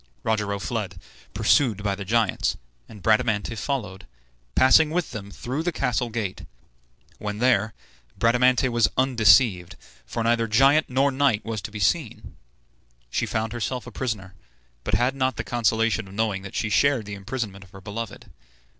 Rogero fled, pursued by the giants, and Bradamante followed, passing with them through the castle gate. When there, Bradamante was undeceived, for neither giant nor knight was to be seen. She found herself a prisoner, but had not the consolation of knowing that she shared the imprisonment of her beloved.